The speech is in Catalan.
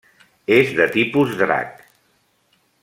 És de tipus drac.